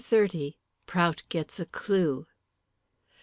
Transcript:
PROUT GETS A CLUE.